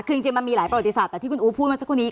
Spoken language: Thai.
คือจริงมันมีหลายประวัติศาสตร์แต่ที่คุณอู๋พูดมาสักครู่นี้